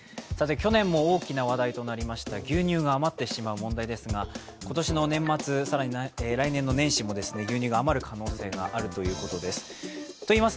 去年も大きな話題となりました、牛乳が余ってしまう問題ですが今年の年末、更に来年の年始も牛乳が余る可能性があるということです。